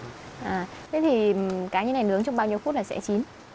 thế thì cá như này nướng trong bao nhiêu phút là sẽ chín